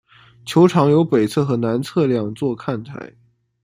球场有北侧和南侧两座看台。